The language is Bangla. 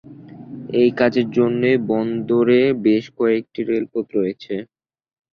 এই কাজের জন্য বন্দরে বেশ কয়েকটি রেলপথ রয়েছে।